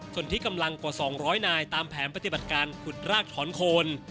ส่วนที่กำลังกว่า๒๐๐นายตามแผนปฏิบัติการขุดรากถอนโคน